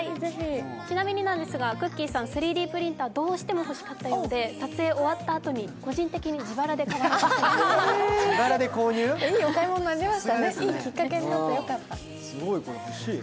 ちなみになんですが、くっきー！さん、３Ｄプリンターどうしても欲しかったようで、撮影終わったあとに、個人的に自腹で買われたそうです。